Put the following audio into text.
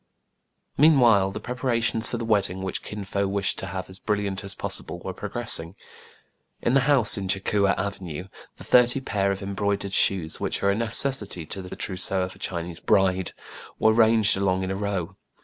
Meanwhile the preparations for the wedding, which Kin Fo wished to have as brilliant as pos sible, were progressing. In the house in Cha Coua Avenue the thirty pair of embroidered shoes, which are a necessity to the trousseau of a Chinese bride, were ranged along in a row.